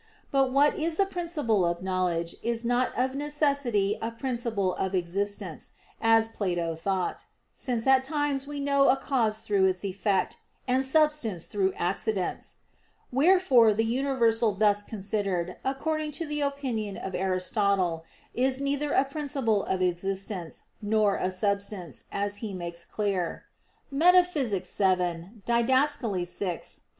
But what is a principle of knowledge is not of necessity a principle of existence, as Plato thought: since at times we know a cause through its effect, and substance through accidents. Wherefore the universal thus considered, according to the opinion of Aristotle, is neither a principle of existence, nor a substance, as he makes clear (Metaph. vii, Did. vi, 13).